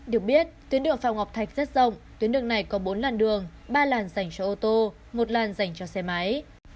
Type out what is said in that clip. được biết tuyến đường phạm ngọc thạch rất rộng tuyến đường này có bốn làn đường ba làn dành cho ô tô một làn dành cho xe máy